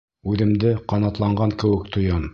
Үҙемде ҡанатланған кеүек тоям!